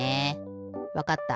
わかった。